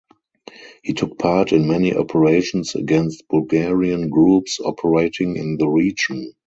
He took part in many operations against Bulgarian groups operating in the region.